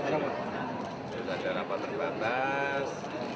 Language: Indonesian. tidak ada rapat terbatas